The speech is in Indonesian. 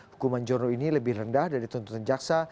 hukuman john ruh ini lebih rendah dari tuntutan jaksa